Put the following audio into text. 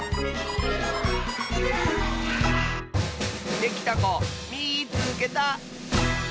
できたこみいつけた！